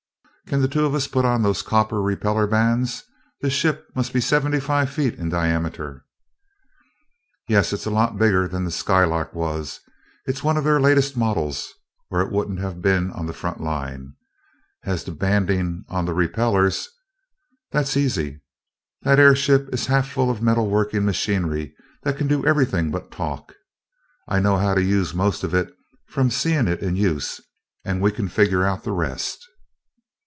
"Can the two of us put on those copper repeller bands? This ship must be seventy five feet in diameter." "Yes, it's a lot bigger than the Skylark was. It's one of their latest models, or it wouldn't have been on the front line. As to banding on the repellers that's easy. That airship is half full of metal working machinery that can do everything but talk. I know how to use most of it, from seeing it in use, and we can figure out the rest."